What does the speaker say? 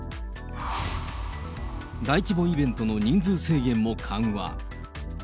大規模イベントの人数制限も緩和。